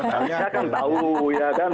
saya kan tahu ya kan